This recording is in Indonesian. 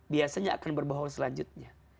biasanya akan berbohong selanjutnya